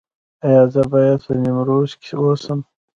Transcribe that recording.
ایا زه باید په نیمروز کې اوسم؟